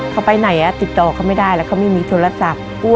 เขาไปไหนติดต่อเขาไม่ได้แล้วเขาไม่มีโทรศัพท์